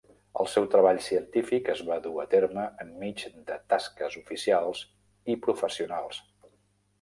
El seu treball científic es va dur a terme enmig de tasques oficials i professionals.